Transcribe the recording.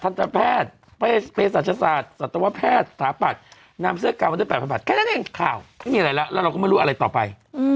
แล้วเราก็ไม่รู้อะไรต่อไป